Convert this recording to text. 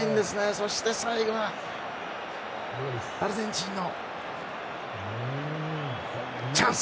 そして、最後アルゼンチンのチャンス。